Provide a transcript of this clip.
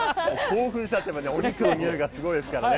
興奮しちゃってね、お肉のにおいがすごいですからね。